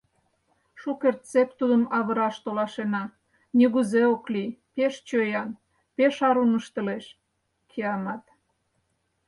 Шукертсек тудым авыраш толашена — нигузе ок лий, пеш чоян, пеш арун ыштылеш, киямат...